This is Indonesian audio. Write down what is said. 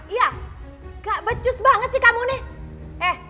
iya gak becus banget sih kamu nih